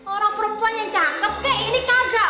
orang perempuan yang cangkep kayak ini kagak